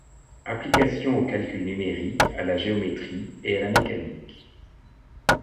Applications au calcul numérique, à la géométrie et à la mécanique.